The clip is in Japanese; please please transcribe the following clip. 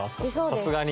さすがに。